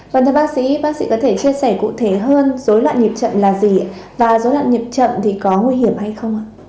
vâng thưa bác sĩ bác sĩ có thể chia sẻ cụ thể hơn dối loạn nhịp chậm là gì và dối loạn nhịp chậm thì có nguy hiểm hay không ạ